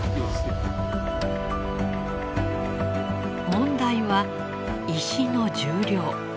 問題は石の重量。